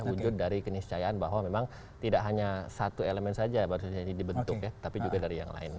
wujud dari keniscayaan bahwa memang tidak hanya satu elemen saja baru saja dibentuk ya tapi juga dari yang lain